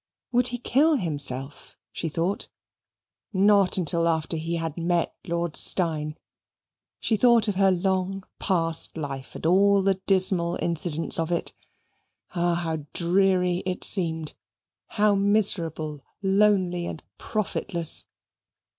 Would he kill himself? she thought not until after he had met Lord Steyne. She thought of her long past life, and all the dismal incidents of it. Ah, how dreary it seemed, how miserable, lonely and profitless!